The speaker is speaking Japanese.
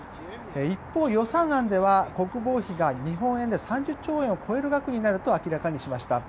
一方、予算案では国防費が日本円で３０兆円を超える額になると明らかにしました。